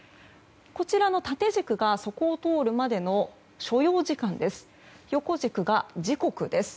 こちらの縦軸がそこを通るまでの所要時間で横軸が時刻です。